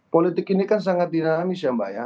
politik ini kan sangat dinamis ya mbak ya